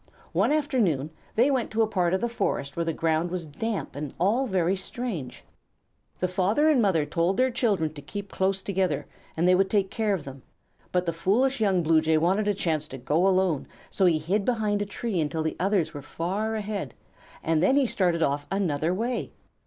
One afternoon they went to a part of the forest where the ground was damp and all was strange. The father and mother told their children to keep close together and they would take care of them; but the foolish young Blue Jay wanted a chance to go alone, so he hid behind a tree until the others were far ahead, and then he started off another way.